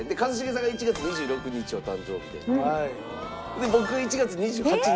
で僕が１月２８日。